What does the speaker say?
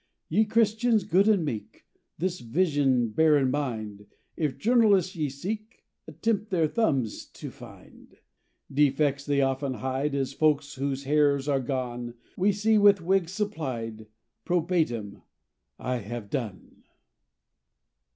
Ye Christians, good and meek, This vision bear in mind; If journalists ye seek, Attempt their thumbs to find. Defects they often hide, As folks whose hairs are gone We see with wigs supplied Probatum! I have done!